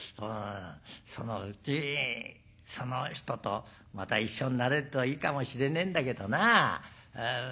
そのうちその人とまた一緒になれるといいかもしれねえんだけどな」。